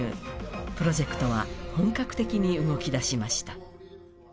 プロジェクトは本格的に動き出しました。